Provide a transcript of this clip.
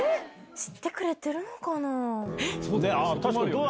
知ってくれてるのかな？